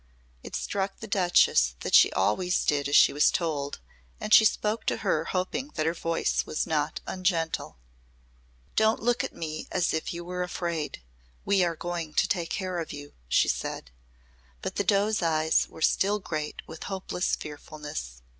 It struck the Duchess that she always did as she was told and she spoke to her hoping that her voice was not ungentle. "Don't look at me as if you were afraid. We are going to take care of you," she said. But the doe's eyes were still great with hopeless fearfulness.